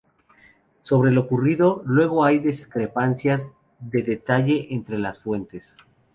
Sobre lo ocurrido luego hay discrepancias de detalle entre las fuentes.